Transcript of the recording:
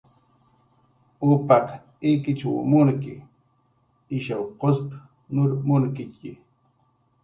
Upaq ikichw munki, ishaw qusp nur munkitxi